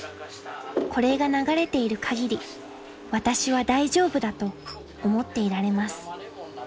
［これが流れているかぎり私は大丈夫だと思っていられます］